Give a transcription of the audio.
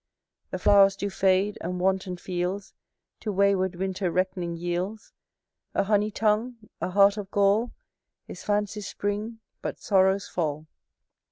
The flowers do fade, and wanton fields To wayward winter reckoning yields. A honey tongue, a heart of gall, Is fancy's spring but sorrow's fall.